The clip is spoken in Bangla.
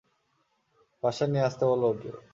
বাসায় নিয়ে আসতে বলো ওকে!